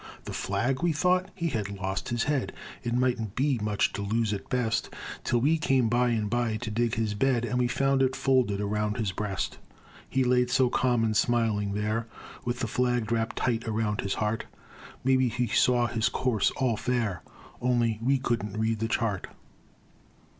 "The Flag?" We thought he had lost his head It mightn't be much to lose at best Till we came, by and by, to dig his bed, And we found it folded around his breast. He laid so calm and smiling there, With the flag wrapped tight about his heart; Maybe he saw his course all fair, Only we couldn't read the chart.